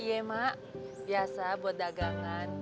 iya mak biasa buat dagangan